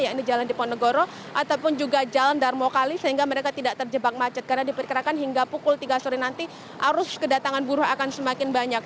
yaitu jalan diponegoro ataupun juga jalan darmo kali sehingga mereka tidak terjebak macet karena diperkirakan hingga pukul tiga sore nanti arus kedatangan buruh akan semakin banyak